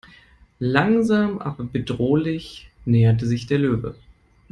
Langsam aber bedrohlich näherte sich der Löwe.